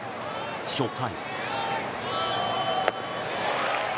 初回。